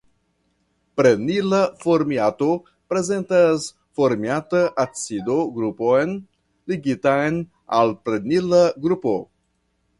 Prenila formiato prezentas Formiata acido grupon ligitan al prenila grupo.